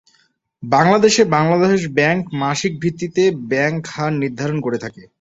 বাংলাদেশে, বাংলাদেশ ব্যাংক মাসিক ভিত্তিতে ব্যাংক হার নির্ধারণ করে থাকে।